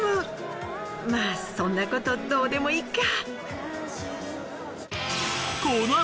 まぁそんなことどうでもいっか。